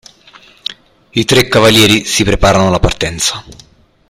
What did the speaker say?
I tre cavalieri si preparano alla partenza.